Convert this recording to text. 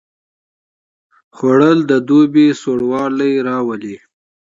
خوړل د دوبي سوړ والی راولي